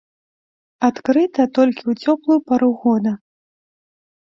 Адкрыта толькі ў цёплую пару года.